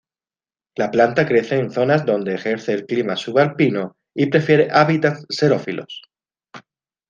La planta crece en zonas donde ejerce el clima subalpino y prefiere hábitats xerófilos.